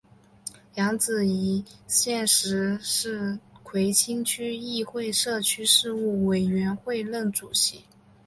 梁子颖现时是葵青区议会社区事务委员会任主席。